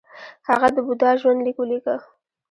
هغه د بودا ژوند لیک ولیکه